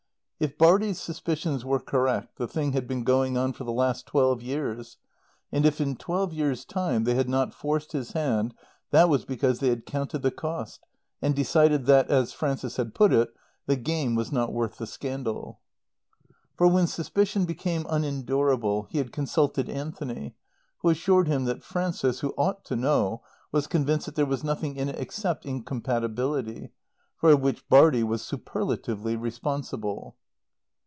If Bartie's suspicions were correct, the thing had been going on for the last twelve years, and if in twelve years' time they had not forced his hand that was because they had counted the cost, and decided that, as Frances had put it, the "game was not worth the scandal." For when suspicion became unendurable he had consulted Anthony who assured him that Frances, who ought to know, was convinced that there was nothing in it except incompatibility, for which Bartie was superlatively responsible.